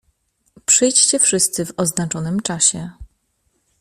"Przyjdziecie wszyscy w oznaczonym czasie."